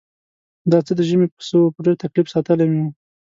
دا څه د ژمي پسه و په ډېر تکلیف ساتلی مې و.